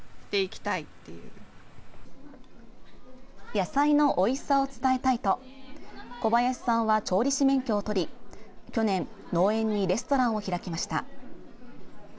野菜のおいしさを伝えたいと小林さんは調理師免許を取り去年、農園にレストランを開きました。